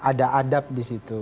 ada adab di situ